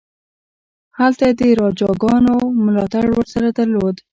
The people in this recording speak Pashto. هغه د راجاګانو ملاتړ ورسره درلود.